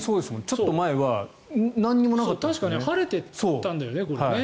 ちょっと前は確か、晴れてたんだよね。